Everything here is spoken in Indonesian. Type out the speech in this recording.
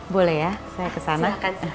boleh ya saya kesana